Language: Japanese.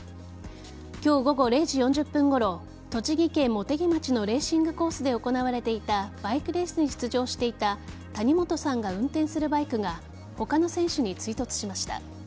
今日午後０時４０分ごろ栃木県茂木町のレーシングコースで行われていたバイクレースに出場していた谷本さんが運転するバイクが他の選手に追突しました。